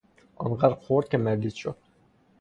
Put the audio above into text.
آن قدر خورد که مریض شد.